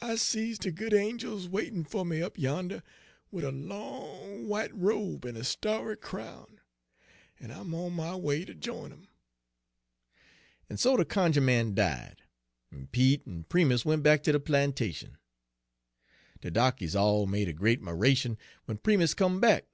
I sees de good angels waitin' fer me up yander, wid a long w'ite robe en a starry crown, en I'm on my way ter jine 'em.' En so de cunjuh man died, en Pete en Primus went back ter de plantation. "De darkies all made a great 'miration w'en Primus come back.